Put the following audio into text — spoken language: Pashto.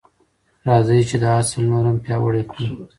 راځئ چې دا اصل نور هم پیاوړی کړو.